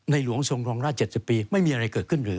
หลวงทรงครองราช๗๐ปีไม่มีอะไรเกิดขึ้นเลย